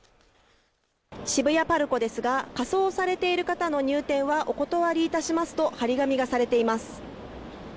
渋谷パルコですが仮装されている方の入店はお断りいたしますと貼り紙がされています